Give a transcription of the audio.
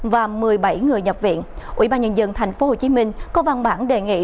và một mươi bảy người nhập viện ủy ban nhân dân tp hcm có văn bản đề nghị